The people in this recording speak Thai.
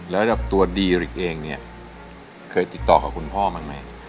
แล้วตัวดีริกเองเนี่ยเคยติดต่อกับคุณพ่อมันไหม